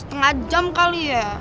setengah jam kali ya